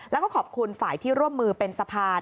แล้วก็ขอบคุณฝ่ายที่ร่วมมือเป็นสะพาน